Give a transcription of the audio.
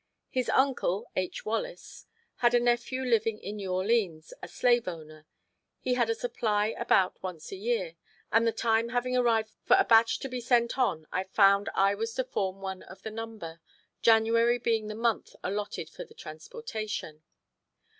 His uncle, H. Wallace, had a nephew living in New Orleans, a slave owner; he had a supply about once a year, and the time having arrived for a batch to be sent on I found I was to form one of the number, January being the month allotted for the transportation.